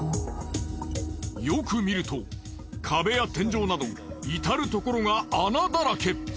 よく見ると壁や天井などいたるところが穴だらけ。